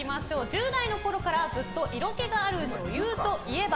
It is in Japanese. １０代の頃からずっと色気がある女優といえば？